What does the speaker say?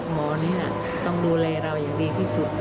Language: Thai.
หมอนี้ต้องดูแลเราอย่างดีที่สุด